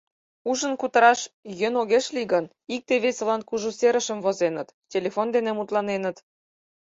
Ужын-кутыраш йӧн огеш лий гын, икте-весылан кужу серышым возеныт, телефон дене мутланеныт.